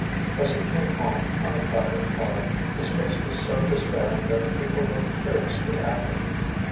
As he came home on the crowded car, his face was so despairing that the people looked curiously at him.